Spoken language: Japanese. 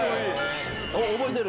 覚えてる？